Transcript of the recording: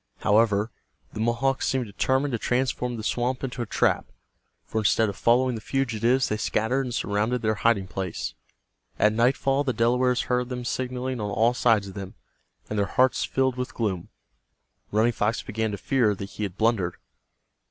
However, the Mohawks seemed determined to transform the swamp into a trap, for instead of following the fugitives they scattered and surrounded their hiding place. At nightfall the Delawares heard them signaling on all sides of them, and their hearts filled with gloom. Running Fox began to fear that he had blundered.